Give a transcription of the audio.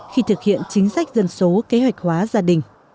khi thực hiện chính sách dân số kế hoạch hóa gia đình